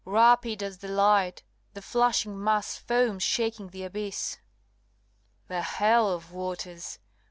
rapid as the light The flashing mass foams shaking the abyss; The hell of waters!